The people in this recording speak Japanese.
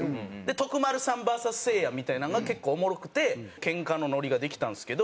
徳丸さんＶＳせいやみたいなんが結構おもろくてケンカのノリができたんですけど。